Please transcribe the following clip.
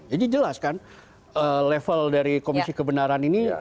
jadi jelas kan level dari komisi kebenaran ini